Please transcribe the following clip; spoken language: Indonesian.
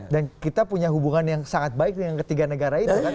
dan kita punya hubungan yang sangat baik dengan ketiga negara itu kan